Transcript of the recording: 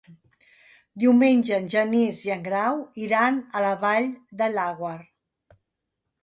Diumenge en Genís i en Grau iran a la Vall de Laguar.